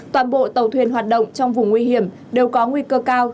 toàn bộ tàu thuyền hoạt động trong vùng nguy hiểm đều có nguy cơ cao